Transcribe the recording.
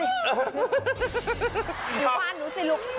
ผูกพันหนูสิลุก